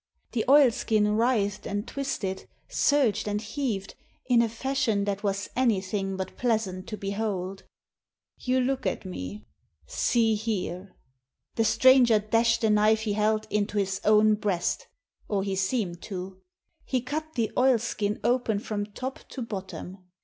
The oilskin writhed and twisted, surged and heaved, in a fashion that was anything but pleasant to behold. " You look at me ! See here !" The stranger dashed the knife he held into his own breast, or he seemed to. He cut the oilskin open from top to bottom.